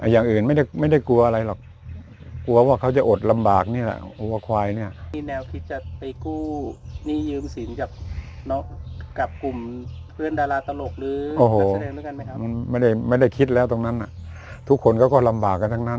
อย่างอื่นไม่ได้ไม่ได้กลัวอะไรหรอกกลัวว่าเขาจะอดลำบากเนี้ยแหละ